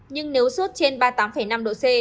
nhưng nếu sốt trên ba mươi tám năm độ c